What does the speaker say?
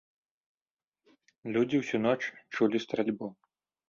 Людзі ўсю ноч чулі стральбу.